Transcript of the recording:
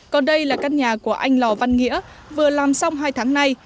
còn đây là căn nhà của anh lò văn nghĩa vừa làm xong hai tháng nay